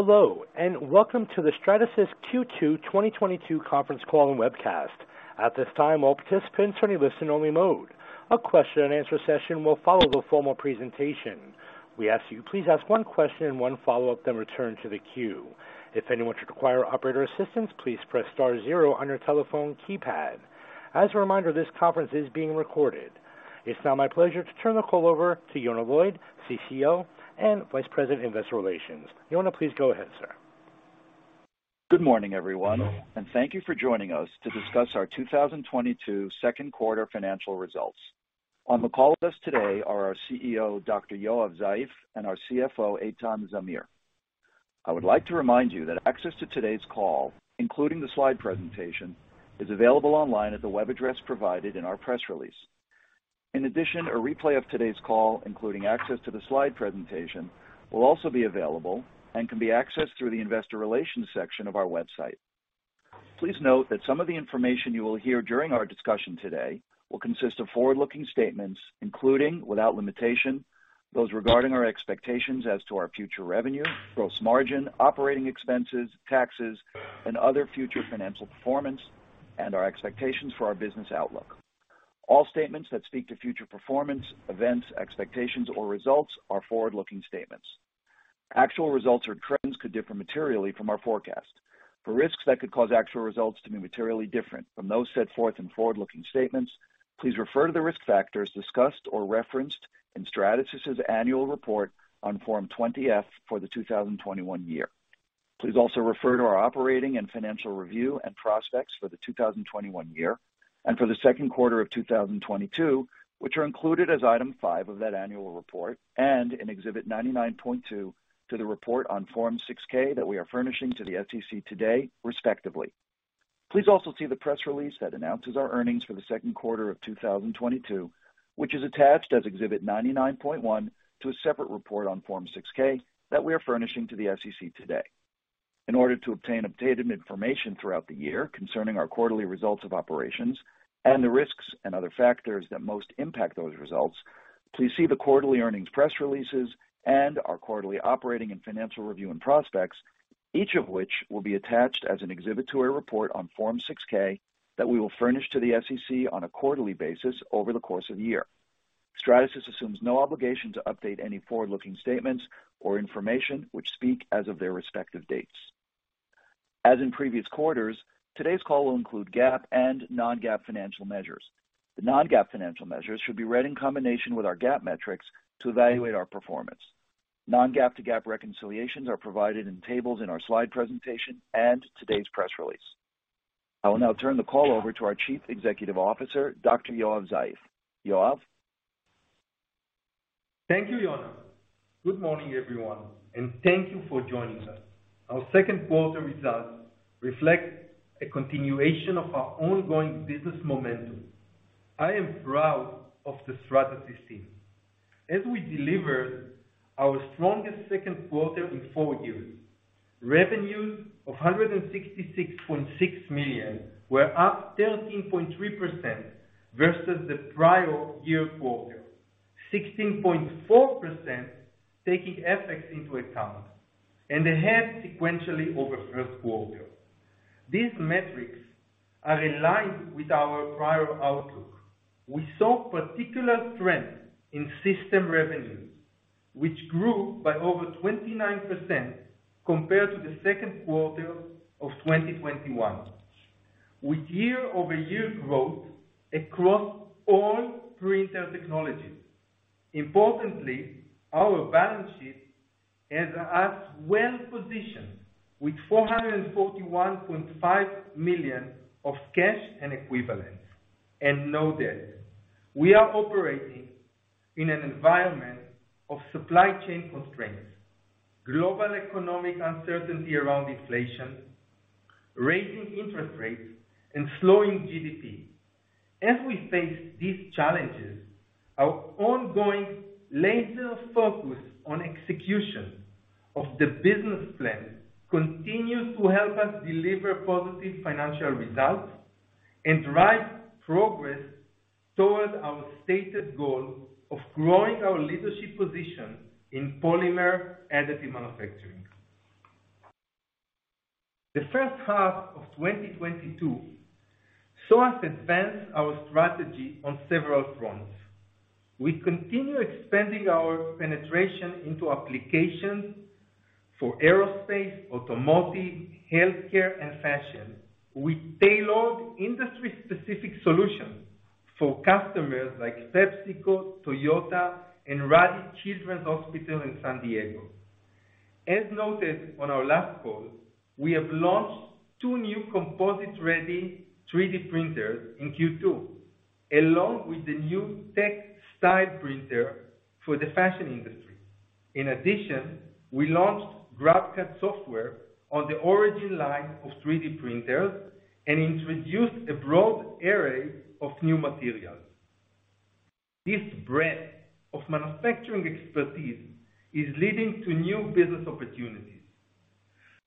Hello, and welcome to the Stratasys Q2 2022 conference call and webcast. At this time, all participants are in listen-only mode. A question-and-answer session will follow the formal presentation. We ask you please ask one question and one follow-up, then return to the queue. If anyone should require operator assistance, please press star zero on your telephone keypad. As a reminder, this conference is being recorded. It's now my pleasure to turn the call over to Yonah Lloyd, CCO and Vice President, Investor Relations. Yonah, please go ahead, sir. Good morning, everyone, and thank you for joining us to discuss our 2022 second quarter financial results. On the call with us today are our CEO, Dr. Yoav Zeif, and our CFO, Eitan Zamir. I would like to remind you that access to today's call, including the slide presentation, is available online at the web address provided in our press release. In addition, a replay of today's call, including access to the slide presentation, will also be available and can be accessed through the investor relations section of our website. Please note that some of the information you will hear during our discussion today will consist of forward-looking statements, including, without limitation, those regarding our expectations as to our future revenue, gross margin, operating expenses, taxes, and other future financial performance, and our expectations for our business outlook. All statements that speak to future performance, events, expectations, or results are forward-looking statements. Actual results or trends could differ materially from our forecast. For risks that could cause actual results to be materially different from those set forth in forward-looking statements, please refer to the risk factors discussed or referenced in Stratasys' annual report on Form 20-F for the 2021 year. Please also refer to our operating and financial review and prospects for the 2021 year and for the second quarter of 2022, which are included as item five of that annual report, and in Exhibit 99.2 to the report on Form 6-K that we are furnishing to the SEC today, respectively. Please also see the press release that announces our earnings for the second quarter of 2022, which is attached as Exhibit 99.1 to a separate report on Form 6-K that we are furnishing to the SEC today. In order to obtain updated information throughout the year concerning our quarterly results of operations and the risks and other factors that most impact those results, please see the quarterly earnings press releases and our quarterly operating and financial review and prospects, each of which will be attached as an exhibit to a report on Form 6-K that we will furnish to the SEC on a quarterly basis over the course of the year. Stratasys assumes no obligation to update any forward-looking statements or information which speak as of their respective dates. As in previous quarters, today's call will include GAAP and non-GAAP financial measures. The non-GAAP financial measures should be read in combination with our GAAP metrics to evaluate our performance. Non-GAAP to GAAP reconciliations are provided in tables in our slide presentation and today's press release. I will now turn the call over to our Chief Executive Officer, Dr. Yoav Zeif. Yoav? Thank you, Yonah. Good morning, everyone, and thank you for joining us. Our second quarter results reflect a continuation of our ongoing business momentum. I am proud of the Stratasys team as we delivered our strongest second quarter in four years. Revenues of $166.6 million were up 13.3% versus the prior year quarter. 16.4% taking FX into account, and ahead sequentially over first quarter. These metrics are in line with our prior outlook. We saw particular strength in system revenue, which grew by over 29% compared to the second quarter of 2021. With year-over-year growth across all printer technologies. Importantly, our balance sheet has us well-positioned with $441.5 million of cash and equivalents and no debt. We are operating in an environment of supply chain constraints, global economic uncertainty around inflation, rising interest rates, and slowing GDP. As we face these challenges, our ongoing laser focus on execution of the business plan continues to help us deliver positive financial results and drive progress towards our stated goal of growing our leadership position in polymer additive manufacturing. The first half of 2022 saw us advance our strategy on several fronts. We continue expanding our penetration into applications for aerospace, automotive, healthcare, and fashion. We tailored industry-specific solutions for customers like PepsiCo, Toyota, and Rady Children's Hospital in San Diego. As noted on our last call, we have launched two new composite-ready 3D printers in Q2, along with the new TechStyle printer for the fashion industry. In addition, we launched GrabCAD software on the Origin line of 3D printers and introduced a broad array of new materials. This breadth of manufacturing expertise is leading to new business opportunities.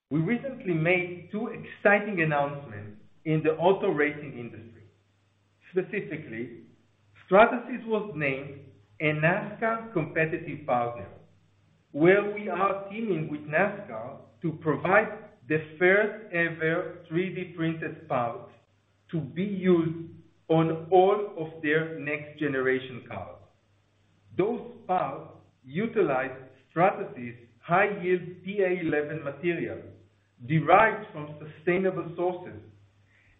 We recently made two exciting announcements in the auto racing industry. Specifically, Stratasys was named NASCAR competitive partner, where we are teaming with NASCAR to provide the first-ever 3D-printed parts to be used on all of their next generation cars. Those parts utilize Stratasys' high-yield PA11 material derived from sustainable sources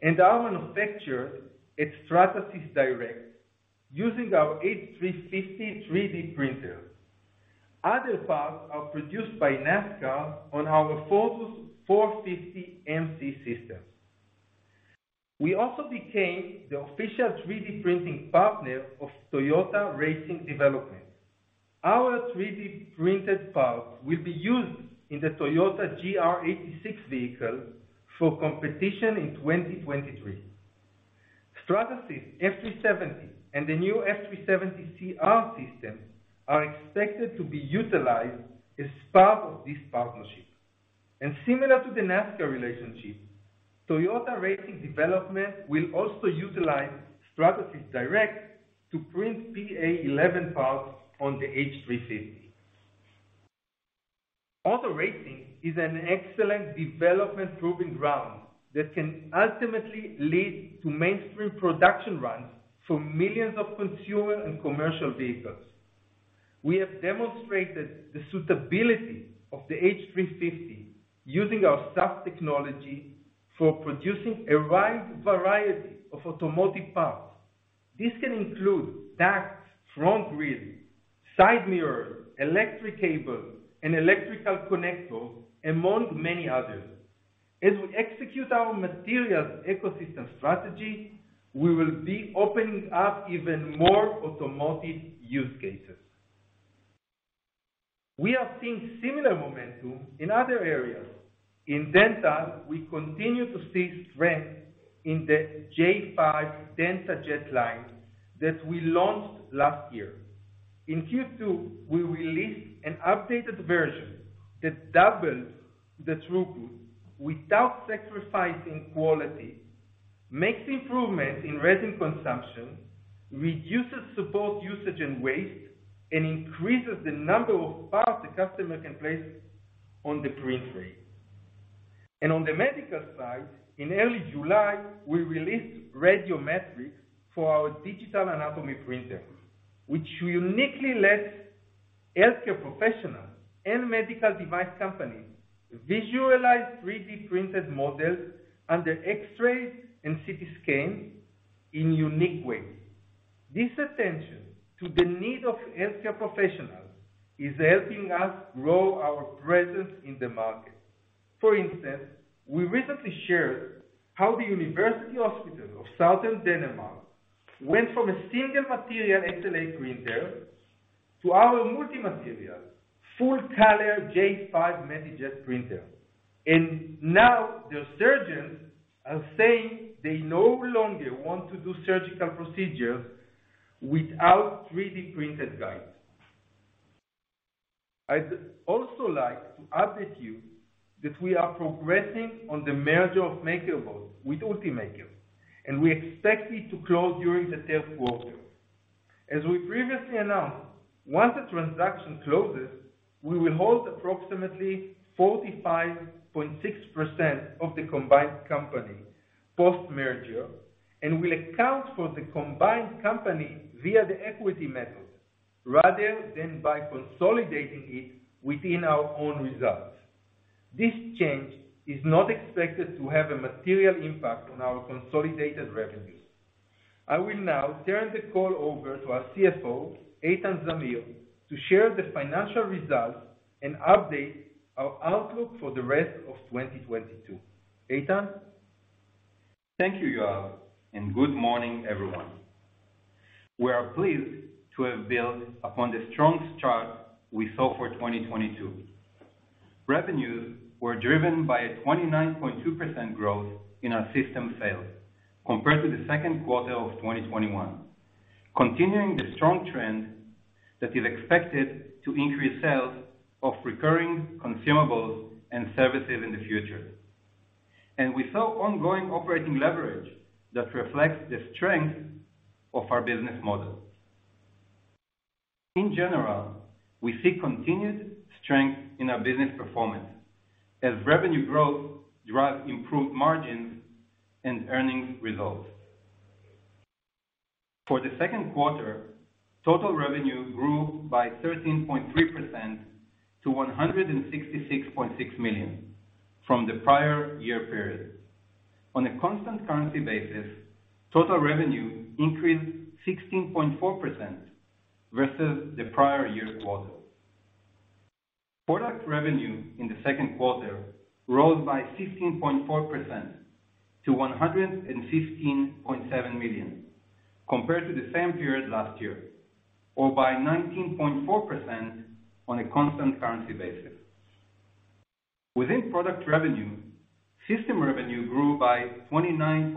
and are manufactured at Stratasys Direct, using our H350 3D printer. Other parts are produced by NASCAR on our Fortus 450mc system. We also became the official 3D printing partner of Toyota Racing Development. Our 3D-printed parts will be used in the Toyota GR86 vehicle for competition in 2023. Stratasys F370 and the new F370 CR system are expected to be utilized as part of this partnership. Similar to the NASCAR relationship, Toyota Racing Development will also utilize Stratasys Direct to print PA11 parts on the H350. Auto racing is an excellent development proving ground that can ultimately lead to mainstream production runs for millions of consumer and commercial vehicles. We have demonstrated the suitability of the H350 using our SAF technology for producing a wide variety of automotive parts. This can include tanks, front grids, side mirrors, electric cables, and electrical connectors, among many others. As we execute our materials ecosystem strategy, we will be opening up even more automotive use cases. We are seeing similar momentum in other areas. In dental, we continue to see strength in the J5 DentaJet line that we launched last year. In Q2, we released an updated version that doubles the throughput without sacrificing quality, makes improvements in resin consumption, reduces support usage and waste, and increases the number of parts the customer can place on the print tray. On the medical side, in early July, we released RadioMatrix for our Digital Anatomy printer, which uniquely lets healthcare professionals and medical device companies visualize 3D-printed models under X-rays and CT scans in unique ways. This attention to the need of healthcare professionals is helping us grow our presence in the market. For instance, we recently shared how the Odense University Hospital went from a single material SLA printer to our multi-material full-color J5 MediJet printer. Now their surgeons are saying they no longer want to do surgical procedures without 3D-printed guides. I'd also like to update you that we are progressing on the merger of MakerBot with UltiMaker, and we expect it to close during the third quarter. As we previously announced, once the transaction closes, we will hold approximately 45.6% of the combined company post-merger and will account for the combined company via the equity method rather than by consolidating it within our own results. This change is not expected to have a material impact on our consolidated revenue. I will now turn the call over to our CFO, Eitan Zamir, to share the financial results and update our outlook for the rest of 2022. Eitan? Thank you, Yoav, and good morning, everyone. We are pleased to have built upon the strong start we saw for 2022. Revenues were driven by a 29.2% growth in our system sales compared to the second quarter of 2021, continuing the strong trend that is expected to increase sales of recurring consumables and services in the future. We saw ongoing operating leverage that reflects the strength of our business model. In general, we see continued strength in our business performance as revenue growth drives improved margins and earnings results. For the second quarter, total revenue grew by 13.3% to $166.6 million from the prior year period. On a constant currency basis, total revenue increased 16.4% versus the prior year's quarter. Product revenue in the second quarter rose by 15.4% to $115.7 million compared to the same period last year, or by 19.4% on a constant currency basis. Within product revenue, system revenue grew by 29.2%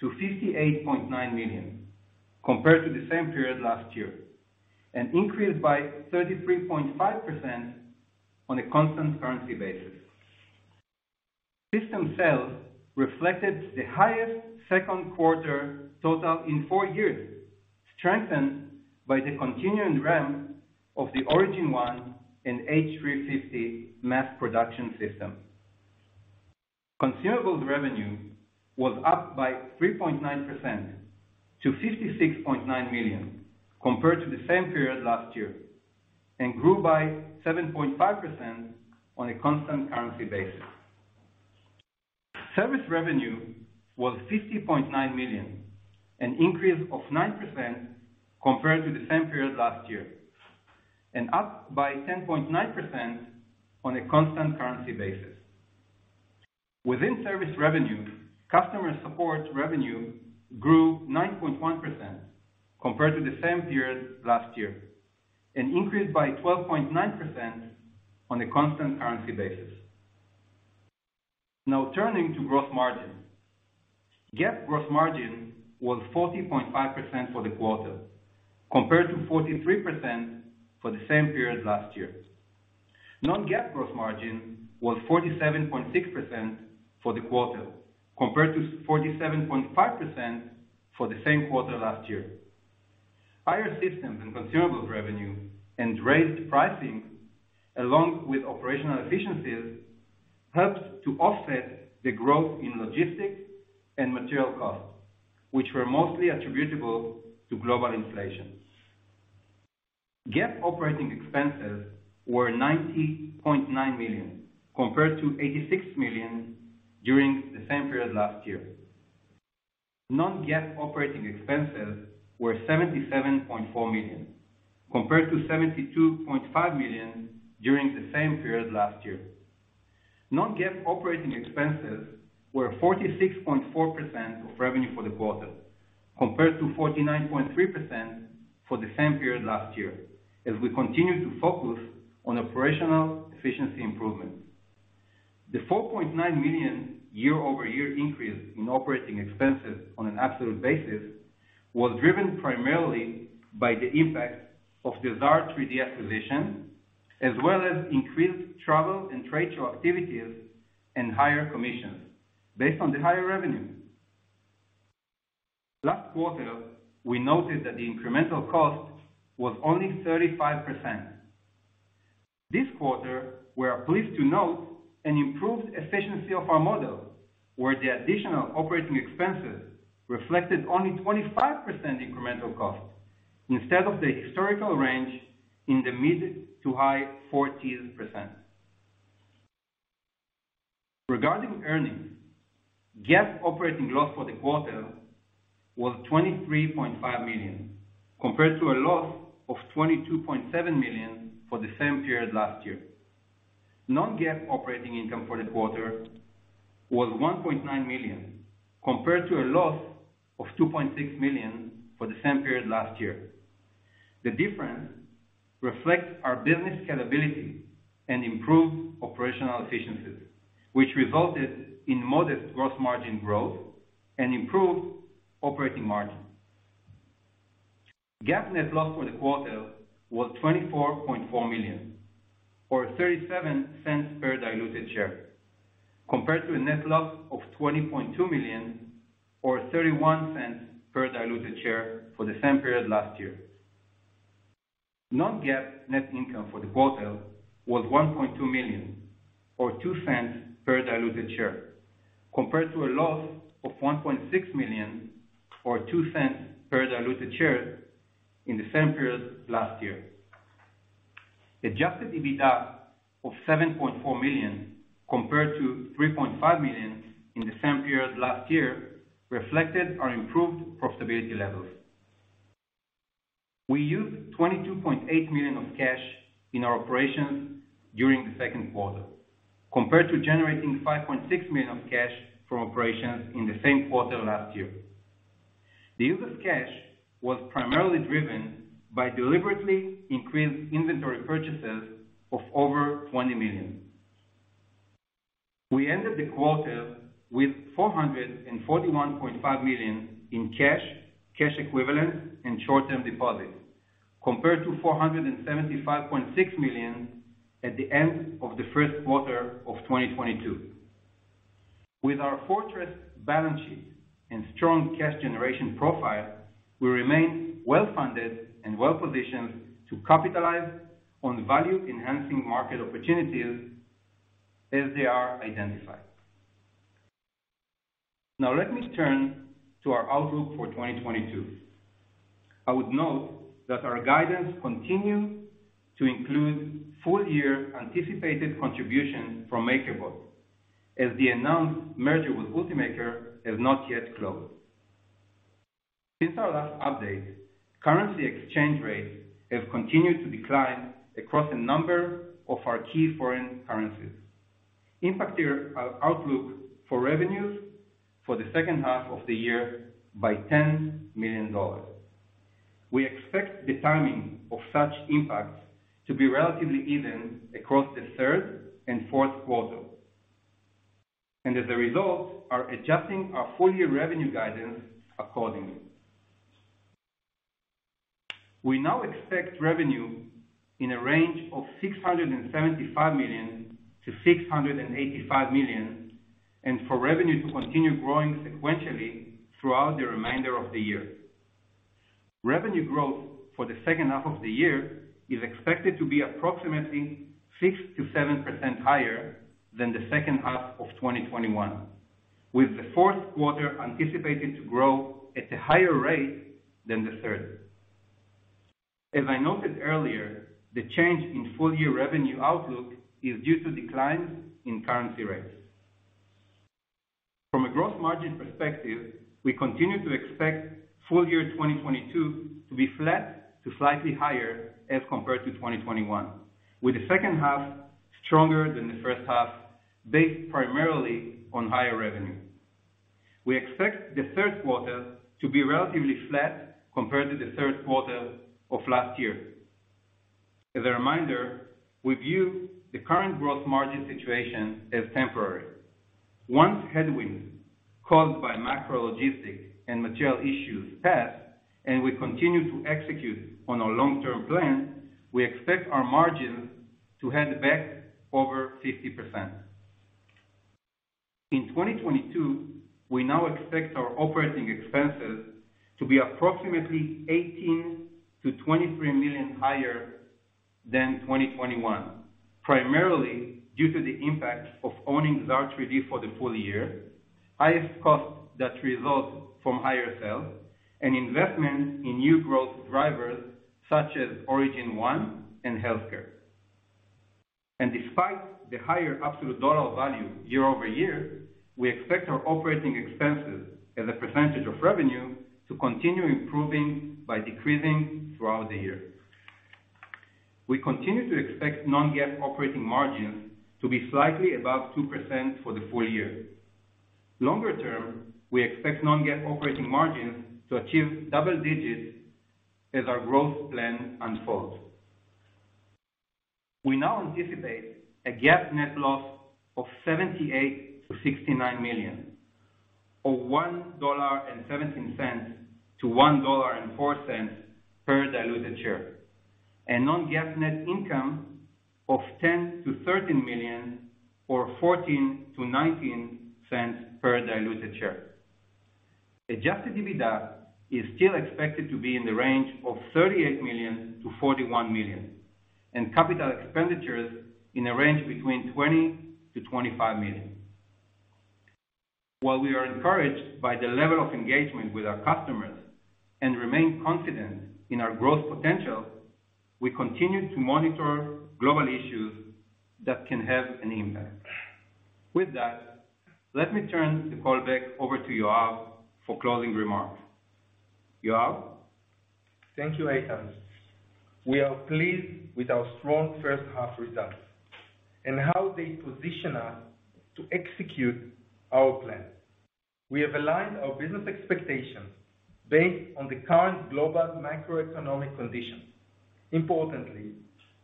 to $58.9 million, compared to the same period last year, and increased by 33.5% on a constant currency basis. System sales reflected the highest second quarter total in four years, strengthened by the continuing ramp of the Origin One and H350 mass production system. Consumables revenue was up by 3.9% to $56.9 million, compared to the same period last year, and grew by 7.5% on a constant currency basis. Service revenue was $50.9 million, an increase of 9% compared to the same period last year, and up by 10.9% on a constant currency basis. Within service revenue, customer support revenue grew 9.1% compared to the same period last year, and increased by 12.9% on a constant currency basis. Now, turning to gross margin. GAAP gross margin was 40.5% for the quarter, compared to 43% for the same period last year. Non-GAAP gross margin was 47.6% for the quarter, compared to 47.5% for the same quarter last year. Higher systems and consumables revenue and raised pricing, along with operational efficiencies, helped to offset the growth in logistics and material costs, which were mostly attributable to global inflation. GAAP operating expenses were $90.9 million, compared to $86 million during the same period last year. Non-GAAP operating expenses were $77.4 million, compared to $72.5 million during the same period last year. Non-GAAP operating expenses were 46.4% of revenue for the quarter, compared to 49.3% for the same period last year, as we continue to focus on operational efficiency improvement. The $4.9 million year-over-year increase in operating expenses on an absolute basis was driven primarily by the impact of the Xaar 3D acquisition, as well as increased travel and trade show activities and higher commissions based on the higher revenue. Last quarter, we noted that the incremental cost was only 35%. This quarter, we are pleased to note an improved efficiency of our model, where the additional operating expenses reflected only 25% incremental cost instead of the historical range in the mid- to high-40s%. Regarding earnings, GAAP operating loss for the quarter was $23.5 million, compared to a loss of $22.7 million for the same period last year. Non-GAAP operating income for the quarter was $1.9 million, compared to a loss of $2.6 million for the same period last year. The difference reflects our business scalability and improved operational efficiencies, which resulted in modest gross margin growth and improved operating margin. GAAP net loss for the quarter was $24.4 million or $0.37 per diluted share, compared to a net loss of $20.2 million or $0.31 per diluted share for the same period last year. non-GAAP net income for the quarter was $1.2 million or $0.02 per diluted share, compared to a loss of $1.6 million or $0.02 per diluted share in the same period last year. Adjusted EBITDA of $7.4 million compared to $3.5 million in the same period last year reflected our improved profitability levels. We used $22.8 million of cash in our operations during the second quarter, compared to generating $5.6 million of cash from operations in the same quarter last year. The use of cash was primarily driven by deliberately increased inventory purchases of over $20 million. We ended the quarter with $441.5 million in cash equivalents, and short-term deposits, compared to $475.6 million at the end of the first quarter of 2022. With our fortress balance sheet and strong cash generation profile, we remain well-funded and well-positioned to capitalize on value-enhancing market opportunities as they are identified. Now, let me turn to our outlook for 2022. I would note that our guidance continues to include full-year anticipated contribution from MakerBot as the announced merger with UltiMaker has not yet closed. Since our last update, currency exchange rates have continued to decline across a number of our key foreign currencies, impacting our outlook for revenues for the second half of the year by $10 million. We expect the timing of such impacts to be relatively even across the third and fourth quarter. As a result, are adjusting our full-year revenue guidance accordingly. We now expect revenue in a range of $675 million-$685 million, and for revenue to continue growing sequentially throughout the remainder of the year. Revenue growth for the second half of the year is expected to be approximately 6%-7% higher than the second half of 2021, with the fourth quarter anticipated to grow at a higher rate than the third. As I noted earlier, the change in full-year revenue outlook is due to declines in currency rates. From a gross margin perspective, we continue to expect full-year 2022 to be flat to slightly higher as compared to 2021, with the second half stronger than the first half based primarily on higher revenue. We expect the third quarter to be relatively flat compared to the third quarter of last year. As a reminder, we view the current gross margin situation as temporary. Once headwinds caused by macro, logistics, and material issues pass, and we continue to execute on our long-term plan, we expect our margins to head back over 50%. In 2022, we now expect our operating expenses to be approximately $18 million-$23 million higher than 2021, primarily due to the impact of owning Xaar 3D for the full year, highest costs that result from higher sales, and investment in new growth drivers such as Origin One and healthcare. Despite the higher absolute dollar value year-over-year, we expect our operating expenses as a percentage of revenue to continue improving by decreasing throughout the year. We continue to expect non-GAAP operating margins to be slightly above 2% for the full year. Longer term, we expect non-GAAP operating margins to achieve double digits as our growth plan unfolds. We now anticipate a GAAP net loss of $78 million-$69 million, or $1.17-$1.04 per diluted share. Non-GAAP net income of $10 million-$13 million or 14-19 cents per diluted share. Adjusted EBITDA is still expected to be in the range of $38 million-$41 million, and capital expenditures in a range between $20 million-$25 million. While we are encouraged by the level of engagement with our customers and remain confident in our growth potential, we continue to monitor global issues that can have an impact. With that, let me turn the call back over to Yoav for closing remarks. Yoav? Thank you, Eitan. We are pleased with our strong first half results and how they position us to execute our plan. We have aligned our business expectations based on the current global macroeconomic conditions. Importantly,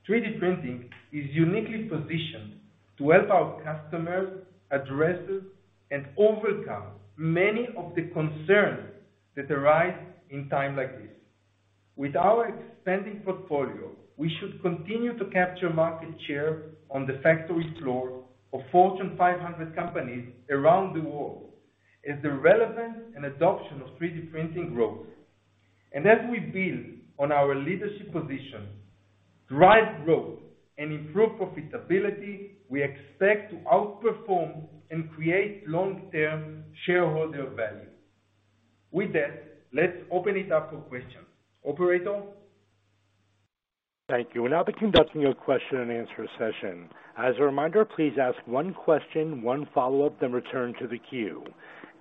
3D printing is uniquely positioned to help our customers address and overcome many of the concerns that arise in times like this. With our expanding portfolio, we should continue to capture market share on the factory floor of Fortune 500 companies around the world as the relevance and adoption of 3D printing grows. As we build on our leadership position, drive growth, and improve profitability, we expect to outperform and create long-term shareholder value. With that, let's open it up for questions. Operator? Thank you. We'll now be conducting your question and answer session. As a reminder, please ask one question, one follow-up, then return to the queue.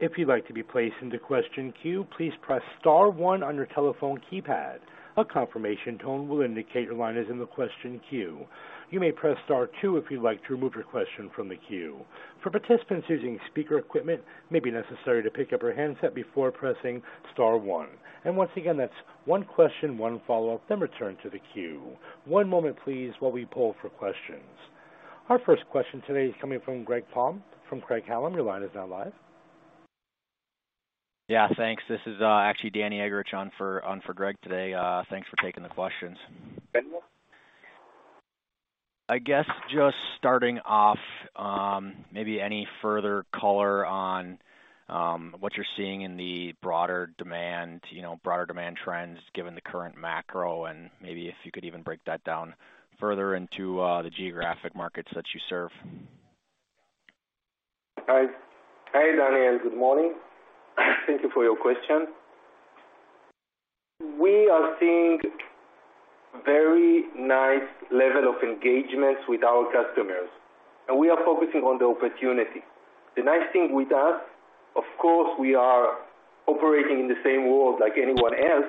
If you'd like to be placed into question queue, please press star one on your telephone keypad. A confirmation tone will indicate your line is in the question queue. You may press star two if you'd like to remove your question from the queue. For participants using speaker equipment, it may be necessary to pick up your handset before pressing star one. Once again, that's one question, one follow-up, then return to the queue. One moment, please, while we poll for questions. Our first question today is coming from Greg Palm from Craig-Hallum. Your line is now live. Yeah, thanks. This is actually Danny Eggerichs on for Greg today. Thanks for taking the questions. Thank you. I guess just starting off, maybe any further color on what you're seeing in the broader demand, you know, broader demand trends given the current macro, and maybe if you could even break that down further into the geographic markets that you serve? Hi. Hi, Danny, and good morning. Thank you for your question. We are seeing very nice level of engagements with our customers, and we are focusing on the opportunity. The nice thing with us, of course, we are operating in the same world like anyone else,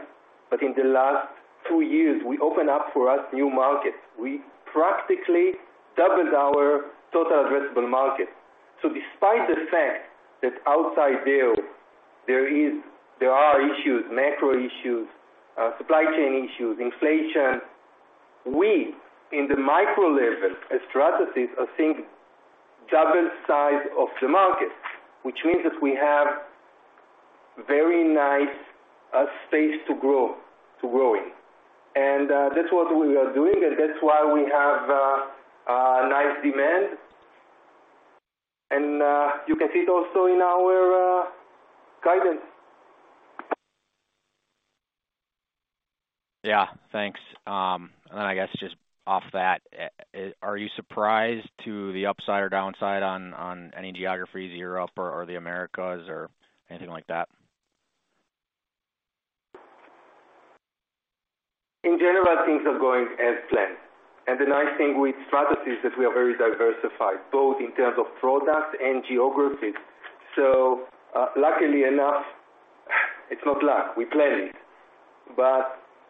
but in the last two years, we opened up for us new markets. We practically doubled our total addressable market. Despite the fact that outside there are issues, macro issues, supply chain issues, inflation. We, in the micro level at Stratasys are seeing double size of the market, which means that we have very nice space to grow to growing. That's what we are doing, and that's why we have a nice demand. You can see it also in our guidance. Yeah, thanks. I guess just off that, are you surprised to the upside or downside on any geographies, Europe or the Americas or anything like that? In general, things are going as planned. The nice thing with Stratasys is that we are very diversified, both in terms of products and geographies. luckily enough, it's not luck, we planned it.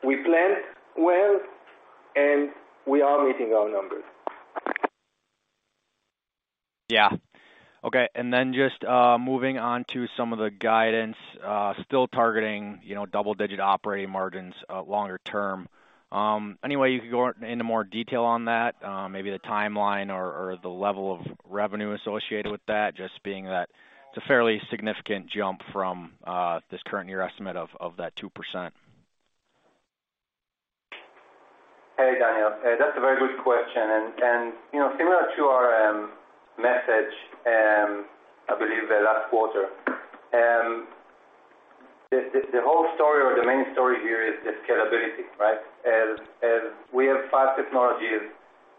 we planned well, and we are meeting our numbers. Yeah. Okay. Then just moving on to some of the guidance, still targeting, you know, double-digit operating margins, longer term. Any way you could go into more detail on that, maybe the timeline or the level of revenue associated with that, just being that it's a fairly significant jump from this current year estimate of that 2%. Hey, Danny. That's a very good question. You know, similar to our message, I believe the last quarter. The whole story or the main story here is the scalability, right? As we have five technologies,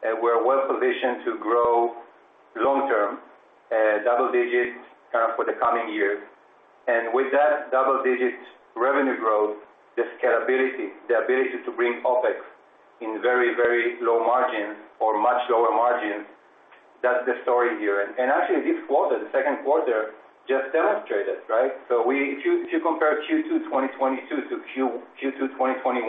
we're well-positioned to grow long-term double digits for the coming years. With that double-digit revenue growth, the scalability, the ability to bring OpEx in very, very low margins or much lower margins, that's the story here. Actually, this quarter, the second quarter just demonstrated, right? If you compare Q2 2022 to Q2 2021,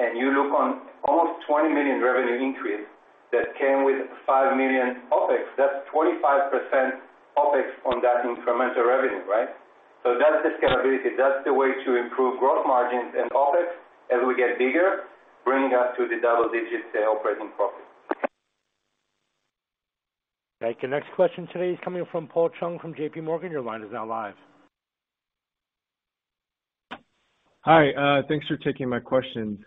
and you look on almost $20 million revenue increase that came with $5 million OpEx, that's 25% OpEx on that incremental revenue, right? That's the scalability. That's the way to improve gross margins and OpEx as we get bigger, bringing us to the double-digit sales operating profit. Thank you. Next question today is coming from Paul Chung from JPMorgan. Your line is now live. Hi. Thanks for taking my questions.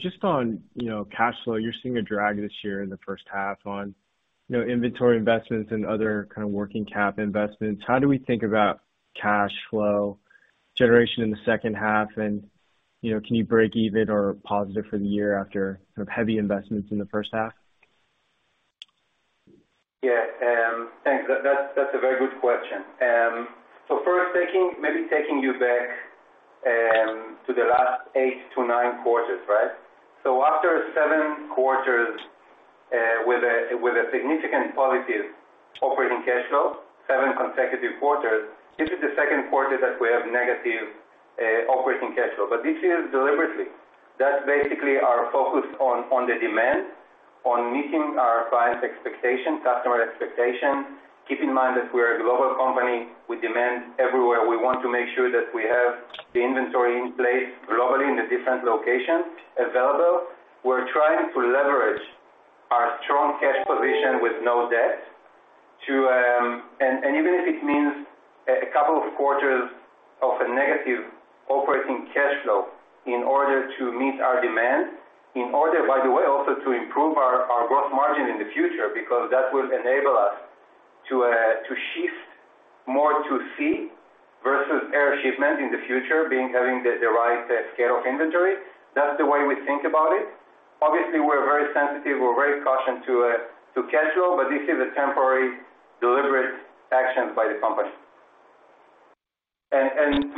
Just on, you know, cash flow, you're seeing a drag this year in the first half on, you know, inventory investments and other kind of working cap investments. How do we think about cash flow generation in the second half? You know, can you break even or positive for the year after some heavy investments in the first half? Yeah. Thanks. That's a very good question. First, maybe taking you back to the last eight to nine quarters, right? After seven quarters with a significant positive operating cash flow, seven consecutive quarters, this is the second quarter that we have negative operating cash flow. This is deliberately. That's basically our focus on the demand, on meeting our clients' expectation, customer expectation. Keep in mind that we're a global company with demand everywhere. We want to make sure that we have the inventory in place globally in the different locations available. We're trying to leverage our strong cash position with no debt to... Even if it means a couple of quarters of a negative operating cash flow in order to meet our demand, in order, by the way, also to improve our growth margin in the future, because that will enable us to shift more to sea versus air shipment in the future, having the right scale of inventory. That's the way we think about it. Obviously, we're very sensitive. We're very cautious to cash flow, but this is a temporary deliberate action by the company.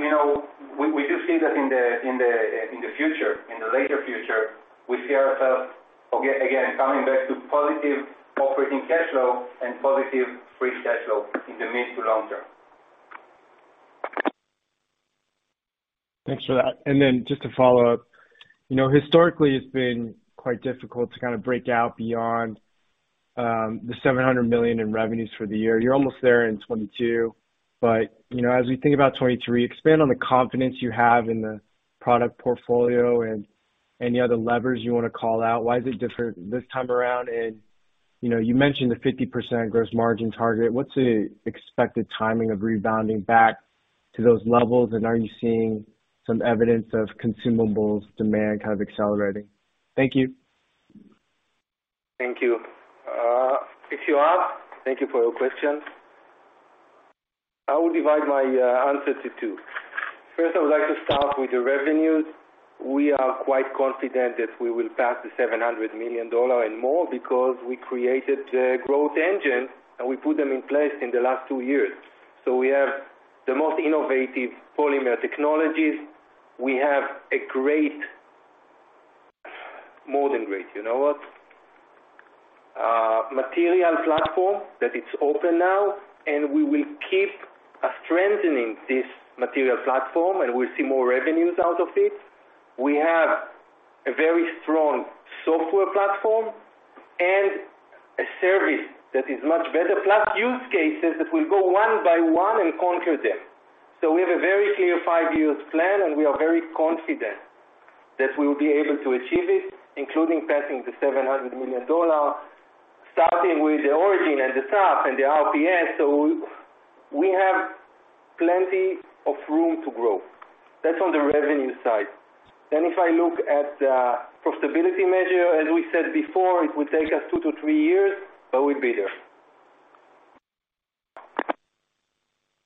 You know, we do see that in the future, in the later future, we see ourselves again coming back to positive operating cash flow and positive free cash flow in the mid to long term. Thanks for that. Then just to follow up, you know, historically, it's been quite difficult to kind of break out beyond the $700 million in revenues for the year. You're almost there in 2022. You know, as we think about 2023, expand on the confidence you have in the product portfolio and any other levers you wanna call out. Why is it different this time around? You know, you mentioned the 50% gross margin target. What's the expected timing of rebounding back to those levels? Are you seeing some evidence of consumables demand kind of accelerating? Thank you. Thank you. If you ask, thank you for your questions. I would divide my answer to two. First, I would like to start with the revenues. We are quite confident that we will pass $700 million and more because we created the growth engine, and we put them in place in the last two years. We have the most innovative polymer technologies. We have more than great. You know what? Material platform that it's open now, and we will keep strengthening this material platform, and we'll see more revenues out of it. We have a very strong software platform. A service that is much better, plus use cases that will go one by one and conquer them. We have a very clear five year plan, and we are very confident that we will be able to achieve it, including passing the $700 million, starting with the Origin and the SAF and the RPS. We have plenty of room to grow. That's on the revenue side. If I look at the profitability measure, as we said before, it will take us two to three years, but we'll be there.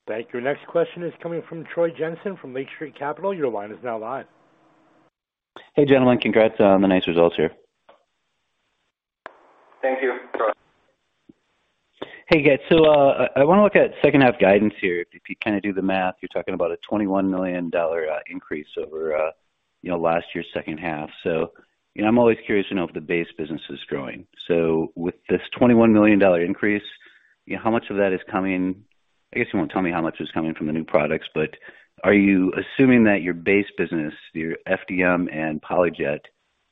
Thank you. Next question is coming from Troy Jensen from Lake Street Capital. Your line is now live. Hey, gentlemen. Congrats on the nice results here. Thank you, Troy. Hey, guys. I wanna look at second half guidance here. If you kind of do the math, you're talking about a $21 million increase over, you know, last year's second half. You know, I'm always curious to know if the base business is growing. With this $21 million increase, you know, how much of that is coming from the new products? I guess you won't tell me how much is coming from the new products, but are you assuming that your base business, your FDM and PolyJet,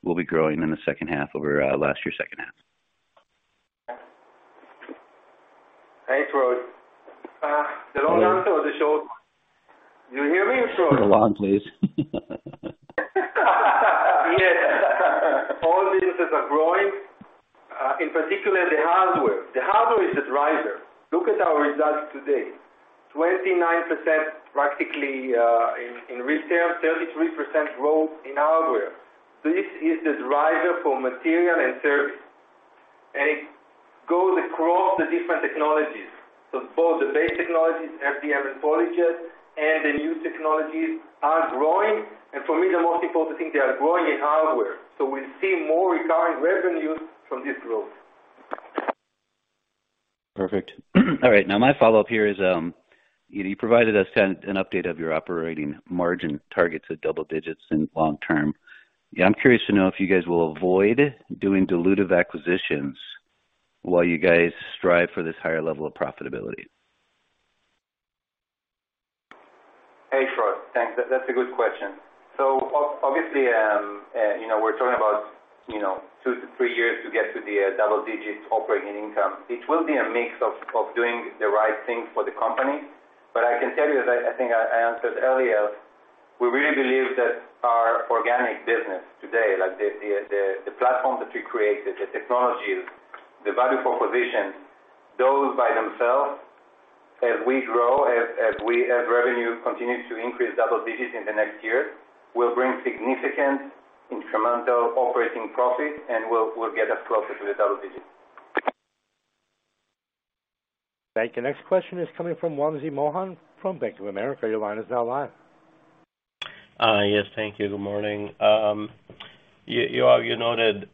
will be growing in the second half over last year's second half? Hey, Troy. The long answer or the short one? Do you hear me, Troy? The long, please. Yes. All businesses are growing, in particular the hardware. The hardware is the driver. Look at our results today. 29%, practically, in retail, 33% growth in hardware. This is the driver for material and service. It goes across the different technologies. Both the base technologies, FDM and PolyJet, and the new technologies are growing. For me, the most important thing, they are growing in hardware. We see more recurring revenues from this growth. Perfect. All right, now my follow-up here is, you provided us an update of your operating margin targets at double digits in long term. I'm curious to know if you guys will avoid doing dilutive acquisitions while you guys strive for this higher level of profitability. Hey, Troy. Thanks. That's a good question. Obviously, you know, we're talking about, you know, two to three years to get to the double digits operating income. It will be a mix of doing the right thing for the company. I can tell you that, I think I answered earlier, we really believe that our organic business today, like the platform that we created, the technologies, the value propositions, those by themselves, as we grow, as revenue continues to increase double digits in the next years, will bring significant incremental operating profit, and we'll get us closer to the double digits. Thank you. Next question is coming from Wamsi Mohan from Bank of America. Your line is now live. Yes. Thank you. Good morning. Yoav, you noted,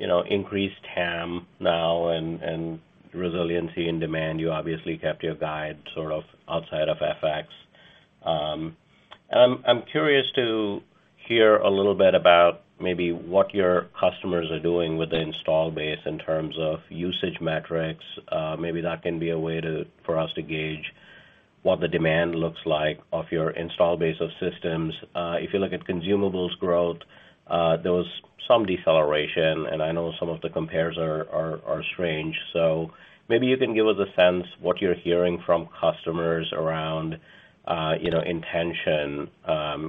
you know, increased TAM now and resiliency in demand. You obviously kept your guide sort of outside of FX. I'm curious to hear a little bit about maybe what your customers are doing with the install base in terms of usage metrics. Maybe that can be a way for us to gauge what the demand looks like of your install base of systems. If you look at consumables growth, there was some deceleration, and I know some of the compares are strange. Maybe you can give us a sense what you're hearing from customers around, you know, intention,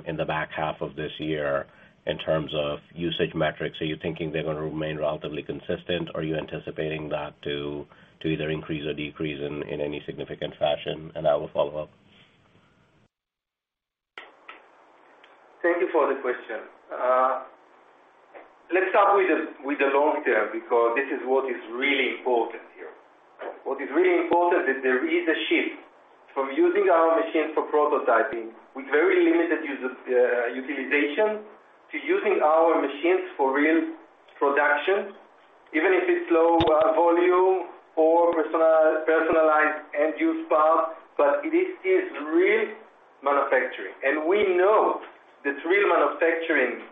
in the back half of this year in terms of usage metrics. Are you thinking they're gonna remain relatively consistent? Are you anticipating that to either increase or decrease in any significant fashion? I will follow up. Thank you for the question. Let's start with the long term, because this is what is really important here. What is really important is there is a shift from using our machines for prototyping with very limited uses, utilization, to using our machines for real production, even if it's low volume or personalized end use product, but it is real manufacturing. We know that real manufacturing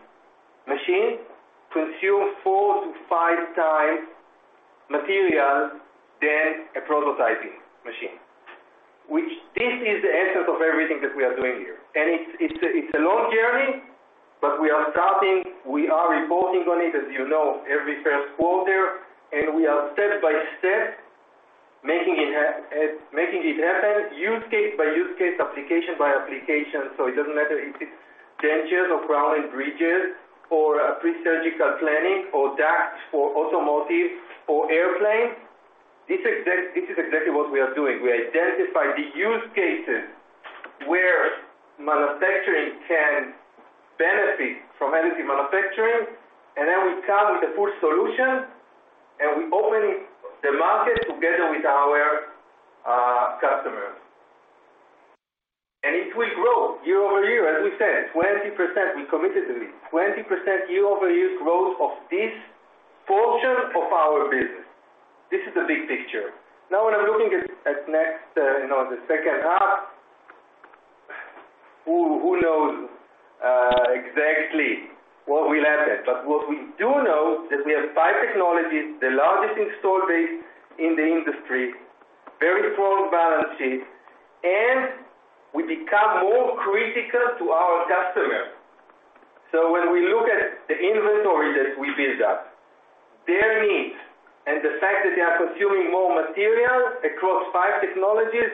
machine consume four to five times materials than a prototyping machine, which this is the essence of everything that we are doing here. It's a long journey, but we are starting, we are reporting on it, as you know, every first quarter, and we are step-by-step making it happen, use case by use case, application by application. It doesn't matter if it's dentures or crowns and bridges or pre-surgical planning or jigs for automotive or airplane, this is exactly what we are doing. We identify the use cases where manufacturing can benefit from additive manufacturing, and then we come with a full solution, and we open the market together with our customers. It will grow year-over-year, as we said, 20%, we committed to this. 20% year-over-year growth of this portion of our business. This is the big picture. Now, when I'm looking at next, you know, the second half, who knows exactly what will happen? What we do know that we have five technologies, the largest installed base in the industry, very strong balance sheet, and we become more critical to our customer. When we look at the inventory that we build up, their needs, and the fact that they are consuming more materials across five technologies,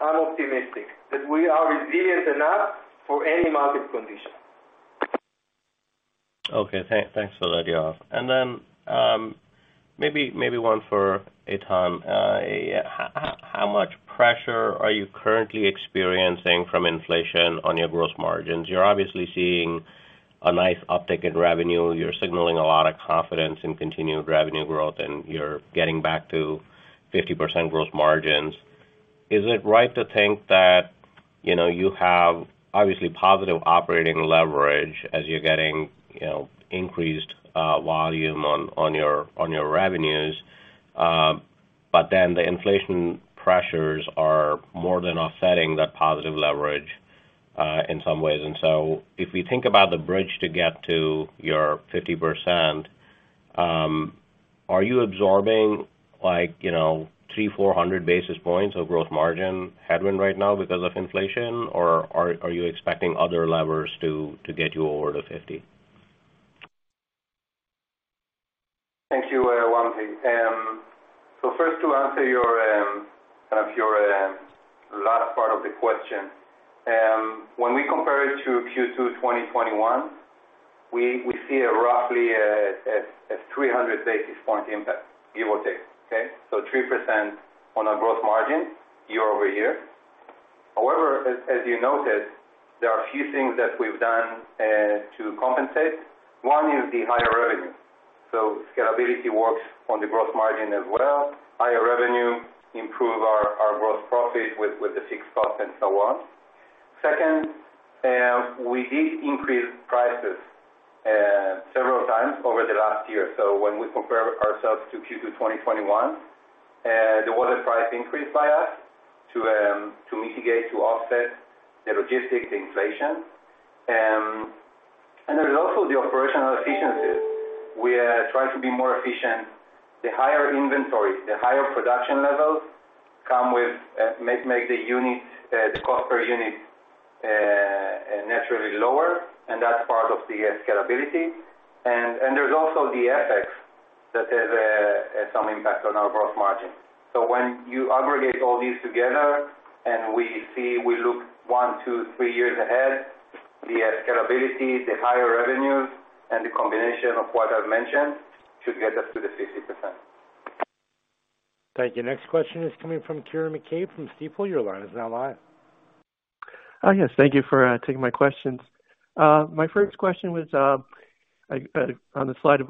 I'm optimistic that we are resilient enough for any market condition. Okay. Thanks for that, Yoav. Then, maybe one for Eitan. How much pressure are you currently experiencing from inflation on your gross margins? You're obviously seeing a nice uptick in revenue. You're signaling a lot of confidence in continued revenue growth, and you're getting back to 50% gross margins. Is it right to think that, you know, you have obviously positive operating leverage as you're getting, you know, increased volume on your revenues, but the inflation pressures are more than offsetting that positive leverage in some ways. So if we think about the bridge to get to your 50%, are you absorbing, like, you know, 300-400 basis points of gross margin headroom right now because of inflation or are you expecting other levers to get you over the 50%? Thank you, Wamsi. First to answer your kind of last part of the question. When we compare it to Q2 2021, we see a roughly 300 basis point impact, give or take. Okay. 3% on our gross margin year-over-year. However, as you noted, there are a few things that we've done to compensate. One is the higher revenue. Scalability works on the gross margin as well. Higher revenue improve our gross profit with the fixed cost and so on. Second, we did increase prices several times over the last year. When we compare ourselves to Q2 2021, there was a price increase by us to mitigate, to offset the logistics inflation. There's also the operational efficiencies. We are trying to be more efficient. The higher inventory, the higher production levels come with make the unit cost per unit naturally lower, and that's part of the scalability. There's also the FX that has some impact on our gross margin. When you aggregate all these together and we look one, two, three years ahead, the scalability, the higher revenues, and the combination of what I've mentioned should get us to the 50%. Thank you. Next question is coming from Ciaran McCabe from Stifel. Your line is now live. Yes, thank you for taking my questions. My first question was on the slide,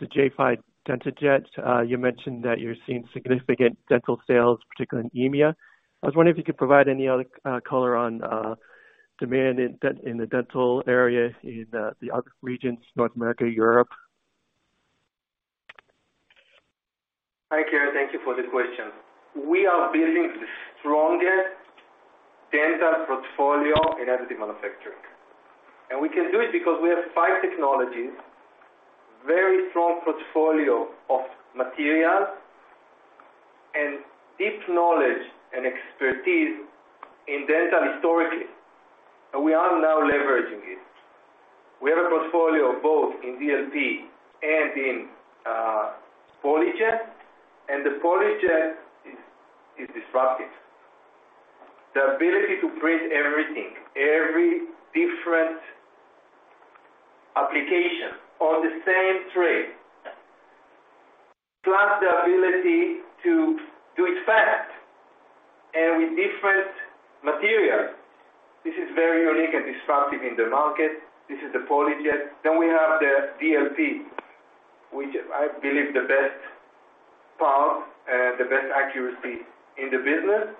the J5 DentaJet, you mentioned that you're seeing significant dental sales, particularly in EMEA. I was wondering if you could provide any other color on demand in the dental area in the other regions, North America, Europe. Hi, Ciaran. Thank you for the question. We are building the strongest dental portfolio in additive manufacturing, and we can do it because we have five technologies, very strong portfolio of materials, and deep knowledge and expertise in dental historically, and we are now leveraging it. We have a portfolio both in DLP and in PolyJet, and the PolyJet is disruptive. The ability to print everything, every different application on the same tray, plus the ability to do it fast and with different materials, this is very unique and disruptive in the market. This is the PolyJet. Then we have the DLP, which I believe the best part, the best accuracy in the business.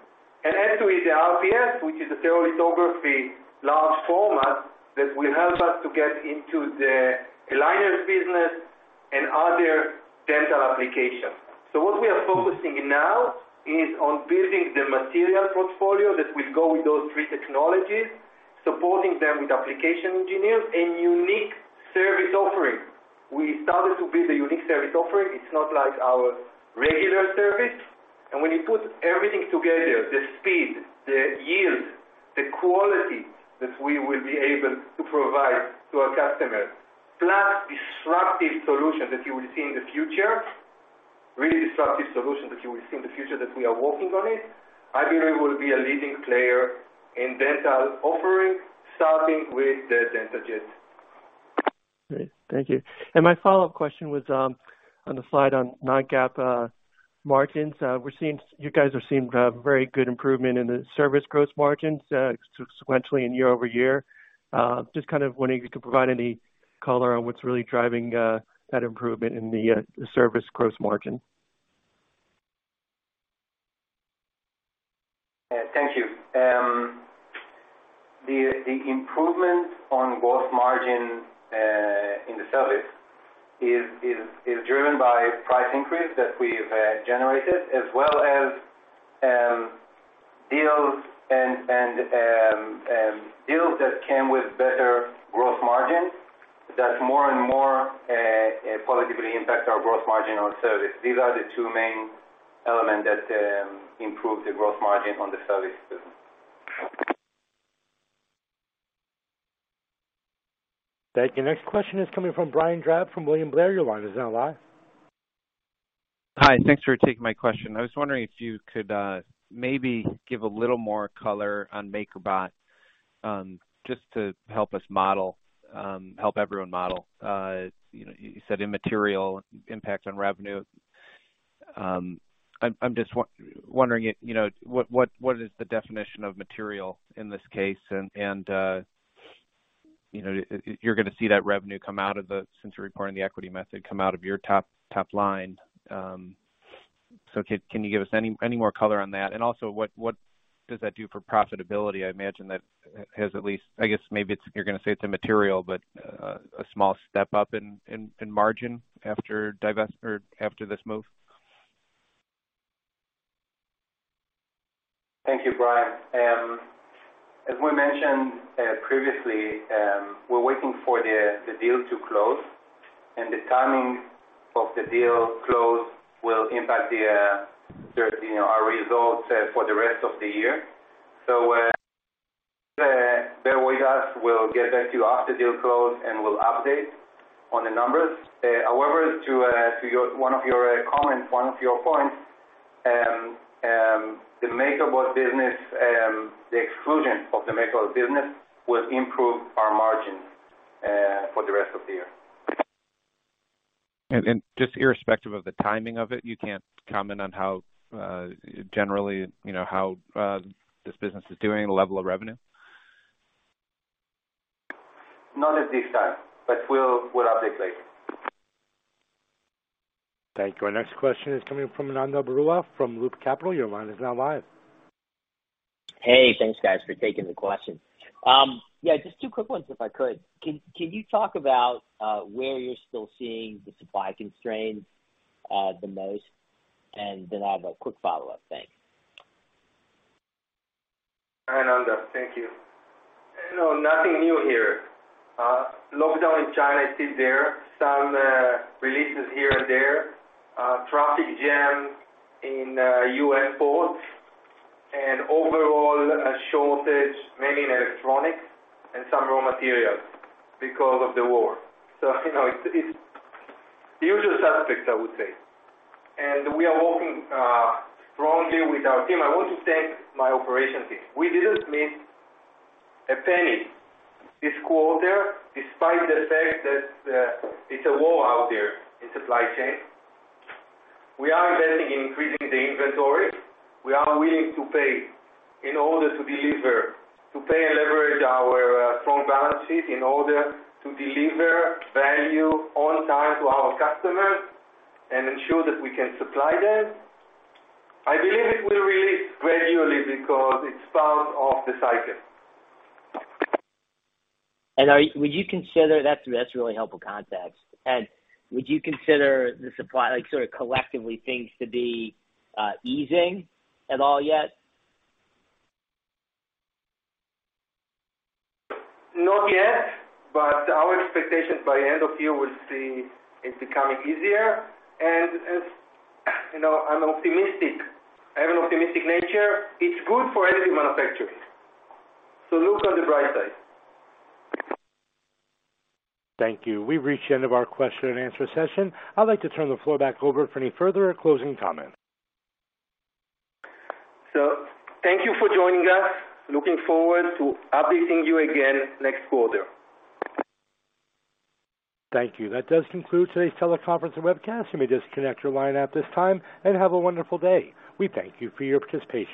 As to the RPS, which is the stereolithography large format that will help us to get into the aligners business and other dental applications. What we are focusing now is on building the material portfolio that will go with those three technologies, supporting them with application engineers and unique service offering. We started to build a unique service offering. It's not like our regular service. When you put everything together, the speed, the yield, the quality that we will be able to provide to our customers, plus disruptive solution that you will see in the future, really disruptive solution that you will see in the future that we are working on it, I believe we'll be a leading player in dental offering, starting with the DentaJet. Great. Thank you. My follow-up question was on the slide on non-GAAP margins. You guys are seeing very good improvement in the service gross margins sequentially and year-over-year. Just kind of wondering if you could provide any color on what's really driving that improvement in the service gross margin. Thank you. The improvement on gross margin in the service is driven by price increase that we've generated, as well as deals that came with better gross margin. That's more and more positively impact our gross margin on service. These are the two main elements that improve the gross margin on the service business. Thank you. Next question is coming from Brian Drab from William Blair. Your line is now live. Hi. Thanks for taking my question. I was wondering if you could maybe give a little more color on MakerBot, just to help us model, help everyone model. You know, you said immaterial impact on revenue. I'm just wondering if, you know, what is the definition of material in this case? You know, if you're gonna see that revenue come out since you're reporting the equity method, come out of your top line. So can you give us any more color on that? And also what does that do for profitability? I imagine that has at least, I guess you're gonna say it's immaterial, but a small step up in margin after divest or after this move. Thank you, Brian. As we mentioned previously, we're waiting for the deal to close, and the timing of the deal close will impact, you know, our results for the rest of the year. Bear with us, we'll get back to you after deal close, and we'll update on the numbers. However, to one of your comments, one of your points, the MakerBot business, the exclusion of the MakerBot business will improve our margin for the rest of the year. Just irrespective of the timing of it, you can't comment on how, generally, you know, how, this business is doing, the level of revenue? Not at this time, but we'll update later. Thank you. Our next question is coming from Ananda Baruah from Loop Capital. Your line is now live. Hey, thanks, guys, for taking the question. Yeah, just two quick ones, if I could. Can you talk about where you're still seeing the supply constraints the most? Then I have a quick follow-up. Thanks. Ananda, thank you. No, nothing new here. Lockdown in China is still there. Some releases here and there. Traffic jam in U.S. ports, and overall a shortage, mainly in electronics and some raw materials because of the war. You know, it's the usual suspects, I would say. We are working strongly with our team. I want to thank my operations team. We didn't miss a penny this quarter, despite the fact that it's a war out there in supply chain. We are investing in increasing the inventory. We are willing to pay in order to deliver, to pay and leverage our strong balance sheet in order to deliver value on time to our customers and ensure that we can supply them. I believe it will release gradually because it's part of the cycle. That's really helpful context. Would you consider the supply like sort of collectively things to be easing at all yet? Not yet, but our expectation by end of year, we'll see it's becoming easier. As you know, I'm optimistic. I have an optimistic nature. It's good for any manufacturer. Look on the bright side. Thank you. We've reached the end of our question and answer session. I'd like to turn the floor back over for any further closing comments. Thank you for joining us. Looking forward to updating you again next quarter. Thank you. That does conclude today's teleconference and webcast. You may disconnect your line at this time, and have a wonderful day. We thank you for your participation.